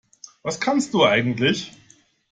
Was kannst du eigentlich?